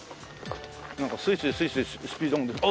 なんかスイスイスイスイスピードが。